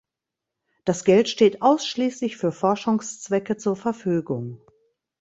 Das Geld steht ausschließlich für Forschungszwecke zur Verfügung.